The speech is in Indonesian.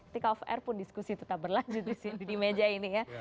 take off air pun diskusi tetap berlanjut di sini di meja ini ya